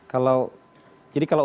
kalau jadi kalau